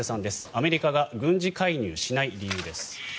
アメリカが軍事介入しない理由です。